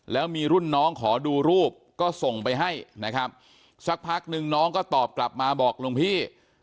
แล้วมีรุ่นน้องขอดูรูปก็ส่งไปให้นะครับสักพักนึงน้องก็ตอบกลับมาบอกหลวงพี่